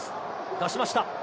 出しました。